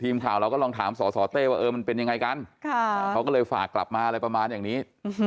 ทีมข่าวเราก็ลองถามสสเต้ว่าเออมันเป็นยังไงกันเขาก็เลยฝากกลับมาอะไรประมาณอย่างนี้